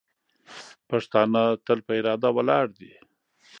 پښتانه تل په اراده ولاړ دي.